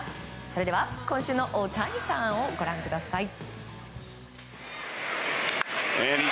それでは今週の大谷さんをご覧ください。